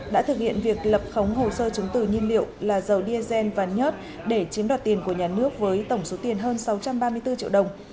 đã thực hiện việc lập khống hồ sơ chứng từ nhiên liệu là dầu diesel và nhớt để chiếm đoạt tiền của nhà nước với tổng số tiền hơn sáu trăm ba mươi bốn triệu đồng